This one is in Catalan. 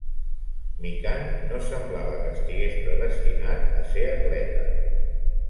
Mikan no semblava que estigués predestinat a ser atleta.